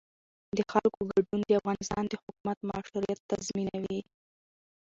د خلکو ګډون د افغانستان د حکومت مشروعیت تضمینوي